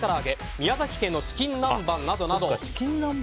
宮崎県のチキン南蛮などなど。